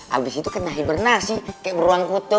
abis itu kena hibernasi kayak buruan kutub